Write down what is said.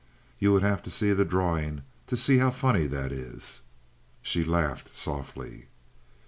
You would have to see the drawing to see how funny that is." She laughed softly.